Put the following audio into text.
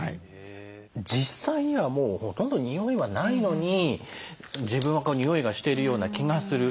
実際にはほとんどにおいはないのに自分はにおいがしているような気がする。